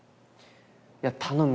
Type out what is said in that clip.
「いや頼む。